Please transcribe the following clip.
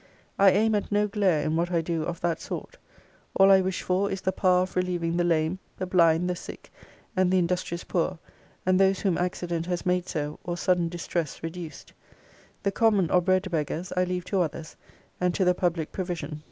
I aim at no glare in what I do of that sort. All I wish for, is the power of relieving the lame, the blind, the sick, and the industrious poor, and those whom accident has made so, or sudden distress reduced. The common or bred beggars I leave to others, and to the public provision.